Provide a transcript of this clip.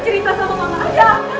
ya allah sayang kamu sampai kaya gini